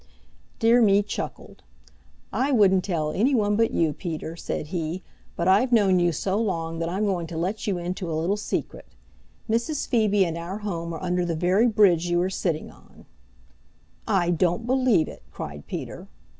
Dear Me chuckled. "I wouldn't tell any one but you, Peter," said he, "but I've known you so long that I'm going to let you into a little secret. Mrs. Phoebe and our home are under the very bridge you are sitting on." "I don't believe it!" cried Peter.